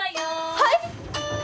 はい！？